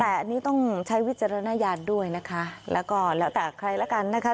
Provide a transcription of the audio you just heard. แต่อันนี้ต้องใช้วิจารณญาณด้วยนะคะแล้วก็แล้วแต่ใครละกันนะคะ